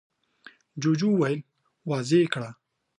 جوجو وويل: واضح يې کړه!